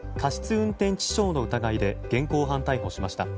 運転致傷の疑いで現行犯逮捕しました。